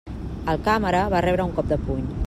El càmera va rebre un cop de puny.